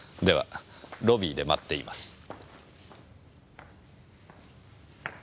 ではロビーで待っています。